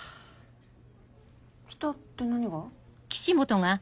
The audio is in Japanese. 「きた」って何が？